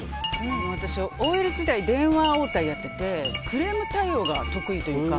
私、ＯＬ時代電話応対やっててクレーム対応が得意というか。